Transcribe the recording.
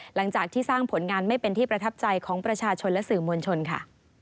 หลังจากที่สร้างผลงานไม่เป็นที่ประทับใจของประชาชนและสื่อมวลชนค่ะ